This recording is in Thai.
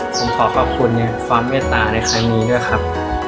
ผมขอขอบคุณค่ะความเงียดต่อในครามนี้ด้วยครับ